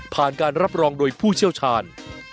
การรับรองโดยผู้เชี่ยวชาญ